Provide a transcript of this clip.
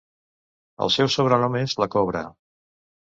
El seu sobrenom és La Cobra.